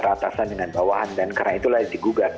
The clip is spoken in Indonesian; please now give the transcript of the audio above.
antara atasan dengan bawahan dan karena itulah yang digugat